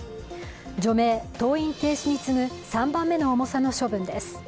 除名、登院停止に次ぐ３番目の重さの処分です。